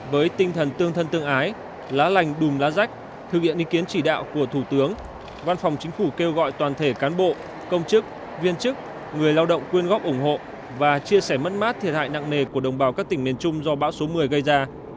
với tinh thần tương thân tương ái lá lành đùm lá rách thực hiện ý kiến chỉ đạo của thủ tướng văn phòng chính phủ kêu gọi toàn thể cán bộ công chức viên chức người lao động quyên góp ủng hộ và chia sẻ mất mát thiệt hại nặng nề của đồng bào các tỉnh miền trung do bão số một mươi gây ra